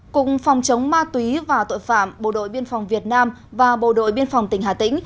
cùng phòng chống ma túy và tội phạm bộ đội biên phòng việt nam và bộ đội biên phòng tỉnh hà tĩnh